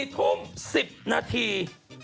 ๔ทุ่ม๑๐นาที